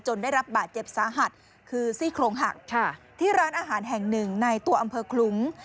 ได้รับบาดเจ็บสาหัสคือซี่โครงหักที่ร้านอาหารแห่งหนึ่งในตัวอำเภอคลุง